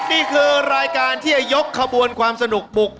นี่คือรายการที่จะยกขบวนความสนุกบุก